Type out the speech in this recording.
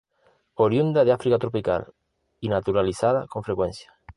Oriunda de África tropical, y naturalizada con frecuencia.